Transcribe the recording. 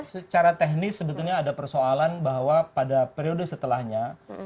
secara teknis sebetulnya ada persoalan bahwa pada periode setelahnya